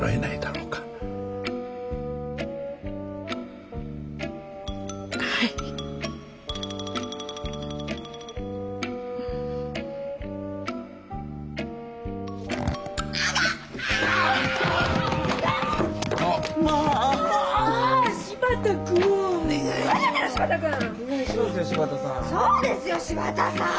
そうですよ柴田さん！